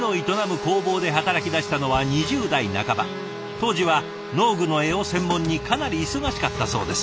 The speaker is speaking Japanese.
当時は農具の柄を専門にかなり忙しかったそうです。